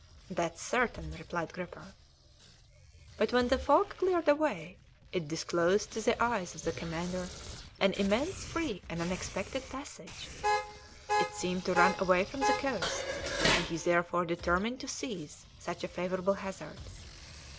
"That's certain!" replied Gripper. But when the fog cleared away it disclosed to the eyes of the commander an immense free and unexpected passage; it seemed to run away from the coast, and he therefore determined to seize such a favourable hazard.